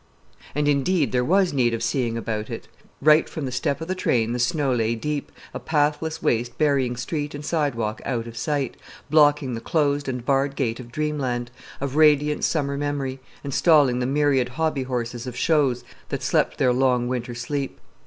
And, indeed, there was need of seeing about it. Right from the step of the train the snow lay deep, a pathless waste burying street and sidewalk out of sight, blocking the closed and barred gate of Dreamland, of radiant summer memory, and stalling the myriad hobby horses of shows that slept their long winter sleep.